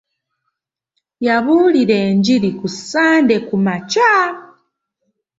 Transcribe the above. Yabuulira enjiri ku Sande kumakya.